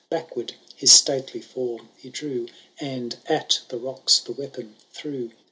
Backward his stately form he drew. And at the rocks the weapon threw.